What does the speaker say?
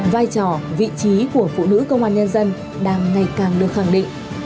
vai trò vị trí của phụ nữ công an nhân dân đang ngày càng được khẳng định